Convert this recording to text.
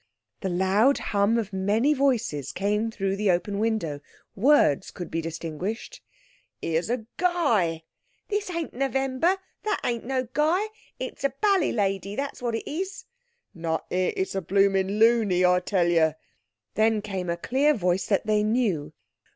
The loud hum of many voices came through the open window. Words could be distinguished. "'Ere's a guy!" "This ain't November. That ain't no guy. It's a ballet lady, that's what it is." "Not it—it's a bloomin' looney, I tell you." Then came a clear voice that they knew.